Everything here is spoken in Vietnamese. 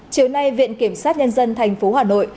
chiều nay viện kiểm sát nhân dân tp hà nội